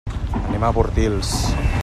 Anem a Bordils.